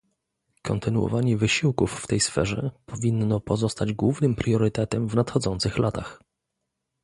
Kontynuowanie wysiłków w tej sferze powinno pozostać głównym priorytetem w nadchodzących latach